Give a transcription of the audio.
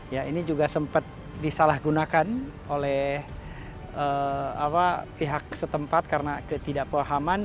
ya ini juga sempat disalahgunakan oleh pihak setempat karena ketidakpahaman